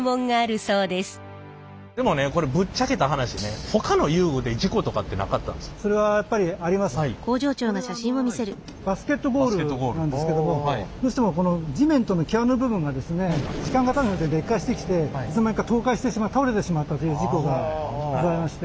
それはこれあのバスケットゴールなんですけどもどうしてもこの地面との際の部分がですね時間がたつにつれて劣化してきていつの間にか倒壊してしまう倒れてしまったという事故がございまして。